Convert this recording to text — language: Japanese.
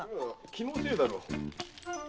気のせいだろう。